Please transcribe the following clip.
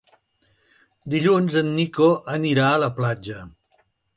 Dilluns en Nico anirà a la platja.